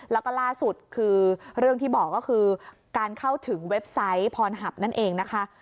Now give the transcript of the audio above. แล้วก็ล่าสุดคือเรื่องที่บอกก็คือการเข้าถึงเว็บไซต์พรหับนั่นเองนะคะ